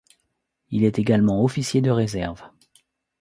Il est également officier de réserve.